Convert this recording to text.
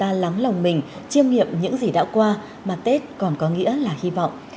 mà là lúc để chúng ta lắng lòng mình chiêm nghiệm những gì đã qua mà tết còn có nghĩa là hy vọng